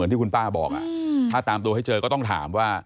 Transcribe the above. ถ้าผมจะบอกอ่ะถ้าตามตัวให้เจอก็ต้องถามว่า